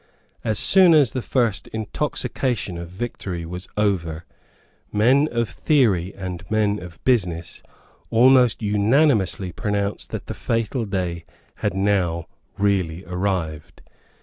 As soon as the first intoxication of victory was over, men of theory and men of business almost unanimously pronounced that the fatal day had now really arrived.